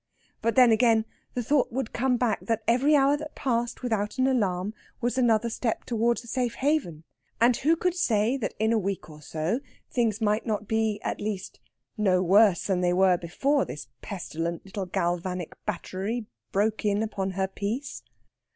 But then, again, the thought would come back that every hour that passed without an alarm was another step towards a safe haven; and who could say that in a week or so things might not be, at least, no worse than they were before this pestilent little galvanic battery broke in upon her peace?